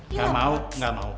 nggak mau nggak mau